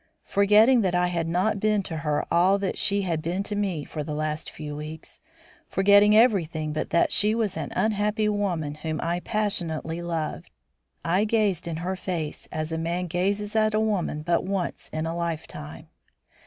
Forgetting that I had not been to her all that she had been to me for the last few weeks; forgetting everything but that she was an unhappy woman whom I passionately loved, I gazed in her face as a man gazes at a woman but once in a lifetime.